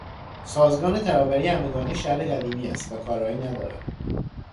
سازگان ترابری همگانی شهر قدیمی است و کارایی ندارد.